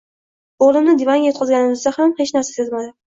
O`g`limni divanga yotqizganimizda ham hech narsani sezmadi